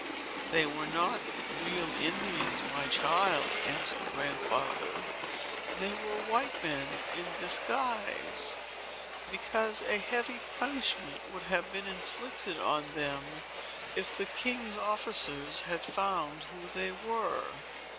"They were not real Indians, my child," answered Grandfather. "They were white men, in disguise; because a heavy punishment would have been inflicted on them, if the king's officers had found who they were.